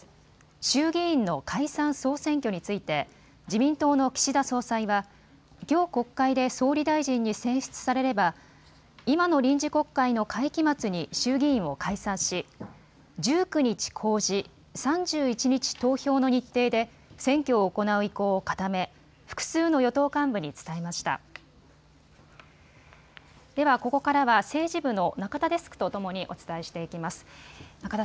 衆議院の解散・総選挙について自民党の岸田総裁はきょう国会で総理大臣に選出されれば今の臨時国会の会期末に衆議院を解散し１９日公示、３１日投票の日程で選挙を行う意向を固め複数の与党幹部に伝えました。